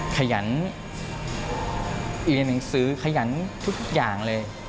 ขยันอยู่ในหนังสือขยันทุกอย่างเลย